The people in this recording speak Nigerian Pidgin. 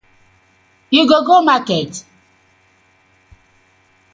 You go go market?